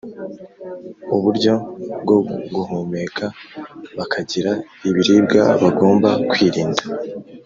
uburyo bwo guhumeka, bakagira ibiribwa bagomba kwirinda